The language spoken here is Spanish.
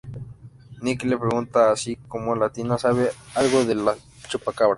Nick le pregunta a si, como latina, sabe algo del chupacabras.